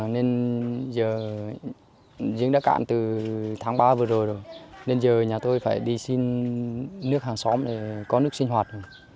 nên giờ giếng đã cạn từ tháng ba vừa rồi rồi nên giờ nhà tôi phải đi xin nước hàng xóm để có nước sinh hoạt